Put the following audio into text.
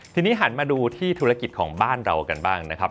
ทีนี้หันมาดูที่ธุรกิจของบ้านเรากันบ้างนะครับ